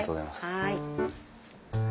はい。